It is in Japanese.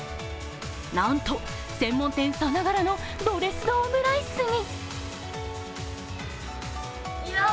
なんと、専門店さながらのドレスドオムライスに。